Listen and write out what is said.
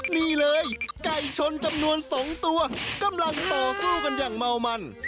นี่เลยไก่ชนจำนวน๒ตัวกำลังต่อสู้กันอย่างเมามัน